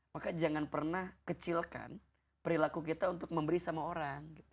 maka jangan pernah kecilkan perilaku kita untuk memberi sama orang